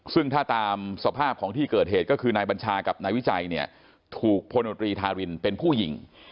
ซึ่งถ้าตามสภาพของที่เกิดเหตุก็คือนายบัญชากับนายวิจัยเนี่ยถูกพลตรีธารินเป็นผู้หญิง